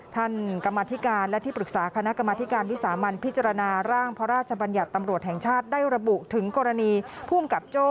ท่านกรรมธิการและที่ปรึกษาคณะกรรมธิการวิสามันพิจารณาร่างพระราชบัญญัติตำรวจแห่งชาติได้ระบุถึงกรณีภูมิกับโจ้